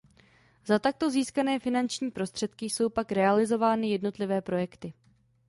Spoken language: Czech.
Za takto získané finanční prostředky jsou pak realizovány jednotlivé projekty.